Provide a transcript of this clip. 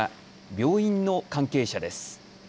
病院の関係者です。